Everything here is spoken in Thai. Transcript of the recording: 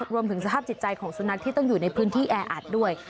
รวมถึงสภาพจิตใจของสุนัขที่ต้องอยู่ในพื้นที่แออัดด้วย